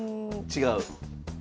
違う？